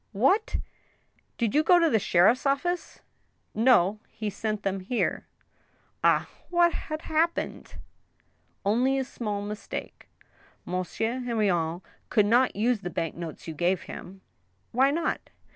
What I did you go to the sheriff's office ?"*' No. he sent them here." *• Ah I what had happened ?"*' Only a small mistake. Monsieur Henrion could not use the bank notes you gave him." "Why not?"